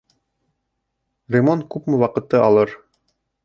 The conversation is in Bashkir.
Ремонт күпме ваҡытты алыр?